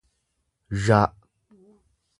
zy